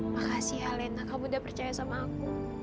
makasih ya lena kamu udah percaya sama aku